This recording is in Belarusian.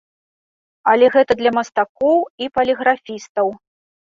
Але гэта для мастакоў і паліграфістаў.